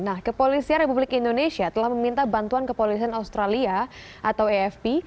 nah kepolisian republik indonesia telah meminta bantuan kepolisian australia atau efp